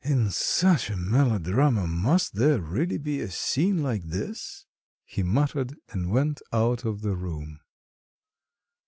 "In such a melodrama must there really be a scene like this?" he muttered, and went out of the room.